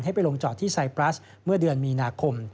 ไปลงจอดที่ไซปรัสเมื่อเดือนมีนาคม